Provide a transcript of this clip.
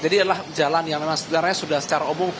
jadi ini adalah jalan yang memang sebenarnya sudah secara umum